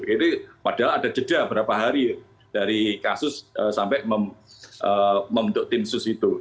jadi padahal ada jeda beberapa hari dari kasus sampai membentuk tim khusus itu